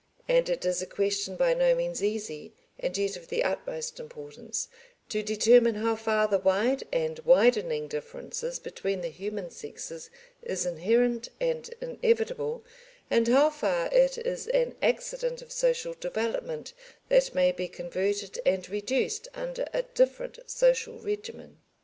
And it is a question by no means easy and yet of the utmost importance, to determine how far the wide and widening differences between the human sexes is inherent and inevitable, and how far it is an accident of social development that may be converted and reduced under a different social regimen.